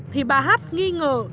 thì bà hát nghi ngờ